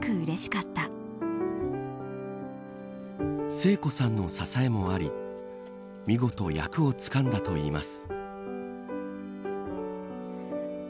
聖子さんの支えもあり見事、役をつかんだといいます。